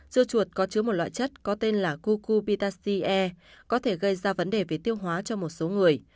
dưa chuột có chứa một loại chất có tên là cucupitacin e có thể gây ra vấn đề về tiêu hóa cho một số người